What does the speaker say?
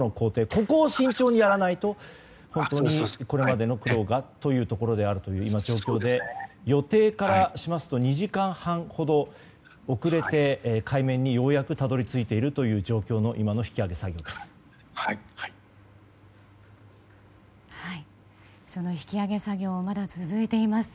ここを慎重にやらないと本当にこれまでの苦労がという状況で予定からしますと２時間半ほど遅れて、海面にようやくたどり着いているという状況の今の引き上げ作業です。